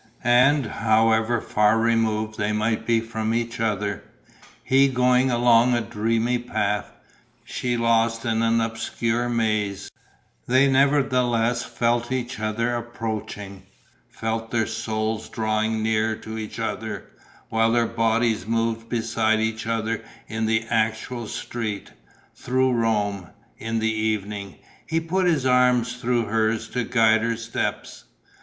And, however far removed they might be from each other he going along a dreamy path, she lost in an obscure maze they nevertheless felt each other approaching, felt their souls drawing nearer to each other, while their bodies moved beside each other in the actual street, through Rome, in the evening. He put his arm through hers to guide her steps.